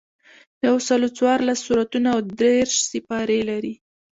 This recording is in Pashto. یوسلو څوارلس سورتونه او دېرش سپارې لري.